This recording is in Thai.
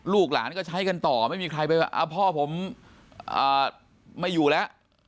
ลูกหลานก็ใช้กันต่อไม่มีใครไปว่าพ่อผมไม่อยู่แล้ว